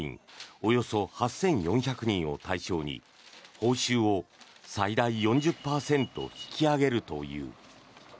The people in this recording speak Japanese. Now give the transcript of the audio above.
およそ８４００人を対象に報酬を最大４０％引き上げるという。